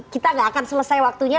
kita gak akan selesai waktunya